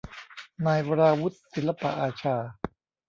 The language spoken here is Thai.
นายวราวุธ ศิลปอาชา